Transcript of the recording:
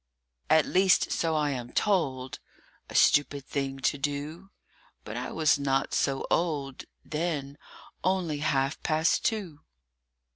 AT least, so I am told (A stupid thing to do! But I was not so old Then only half past two).